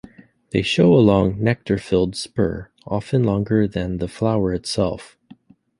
They show a long, nectar-filled spur, often longer than the flower itself.